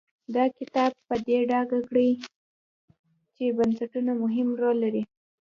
دا کتاب به په ډاګه کړي چې بنسټونه مهم رول لري.